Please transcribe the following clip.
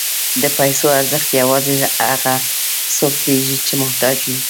د پیسو ارزښت یوازې هغه څوک پوهېږي چې محتاج وي.